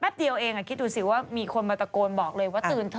แป๊บเดียวคิดดูซิมีคนมาตะโกนบอกเลยว่าตื่นเถอะ